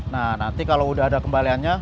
nah nanti kalau udah ada kembaliannya